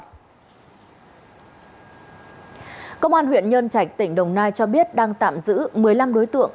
công an huyện nhân trạch tỉnh đồng nai cho biết đang tạm giữ một mươi năm đối tượng